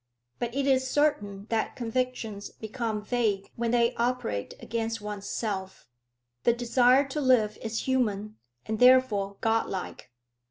But it is certain that convictions become vague when they operate against one's self. The desire to live is human, and therefore God like.